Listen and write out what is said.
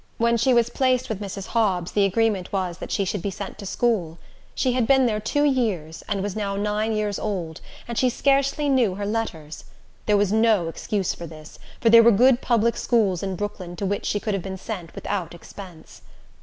When she was placed with Mrs. Hobbs, the agreement was that she should be sent to school She had been there two years, and was now nine years old, and she scarcely knew her letters. There was no excuse for this, for there were good public schools in Brooklyn, to which she could have been sent without expense.